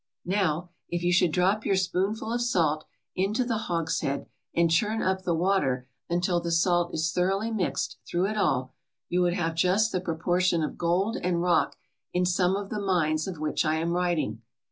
Now, if you should drop your spoonful of salt into the hogshead and churn up the water until the salt is thoroughly mixed through it all, you would have just the proportion of gold and rock in some of the mines of which I am writing.